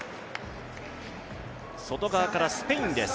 外側からスペインです。